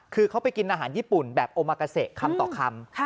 คือเขาไปกินอาหารญี่ปุ่นแบบโอมากาเซคำต่อคำ